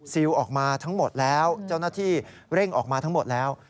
ซิลออกมาทั้งหมดแล้วเจ้าหน้าที่เร่งออกมาทั้งหมดแล้ว